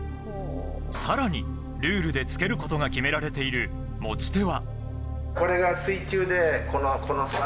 更に、ルールでつけることが決められている持ち手は。